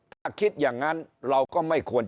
ถ้าคิดอย่างนั้นเราก็ไม่ควร